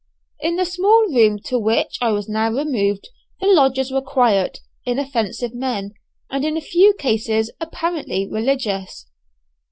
In the small room to which I was now removed, the lodgers were quiet, inoffensive men, and in a few cases apparently religious.